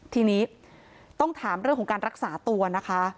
ทีนี้ต้องถามเรื่องของการรักษาตัวนะคะ